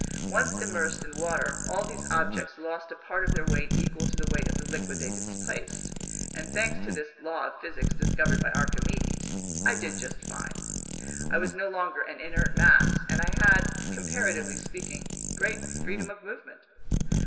Once immersed in water, all these objects lost a part of their weight equal to the weight of the liquid they displaced, and thanks to this law of physics discovered by Archimedes, I did just fine. I was no longer an inert mass, and I had, comparatively speaking, great freedom of movement.